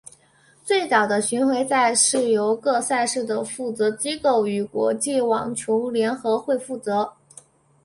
最早的巡回赛是由各赛事的负责机构与国际网球联合会负责。